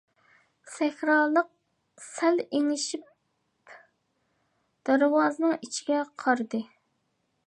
سەھرالىق سەل ئېڭىشىپ، دەرۋازىنىڭ ئىچىگە قارىدى.